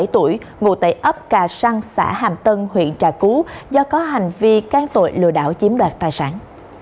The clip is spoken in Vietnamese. bốn mươi bảy tuổi ngụ tẩy ấp cà săn xã hàm tân huyện trà cú do có hành vi can tội lừa đảo chiếm đoạt tài sản